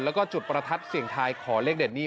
แล้วก็จุดประทัดเสียงทายขอเลขเด็ดนี่